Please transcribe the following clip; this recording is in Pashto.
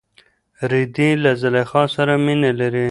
رېدی له زلیخا سره مینه لري.